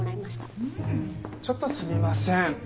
ちょっとすみません。